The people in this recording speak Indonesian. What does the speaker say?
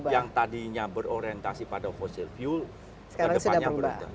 yang tadinya berorientasi pada fossil fuel ke depannya berubah